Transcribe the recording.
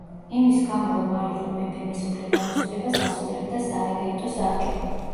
იმის გამო, რომ არ იყო მეფე მის უფლებამოსილებას ასრულებდა სარეგენტო საბჭო.